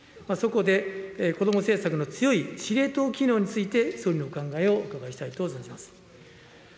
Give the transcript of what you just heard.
そこで子ども政策の強い司令塔機能について、総理のお考えをお伺いしたいと存じます。